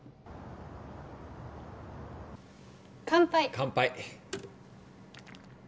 乾杯乾杯